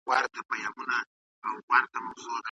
په پلي تګ کي د کورنۍ غړي نه هېرېږي.